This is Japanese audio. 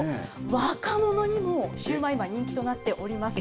若者にもシューマイ、今、人気となっております。